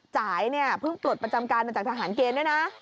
จ่ายเนี่ยเพิ่งปลดประจำการมาจากทหารเกณฑ์ด้วยนะ